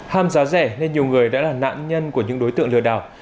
ham giá rẻ nên nhiều người đã là nạn nhân của những đối tượng lừa đảo